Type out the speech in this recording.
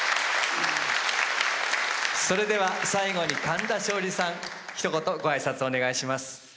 それでは最後に神田松鯉さんひと言ご挨拶お願いします。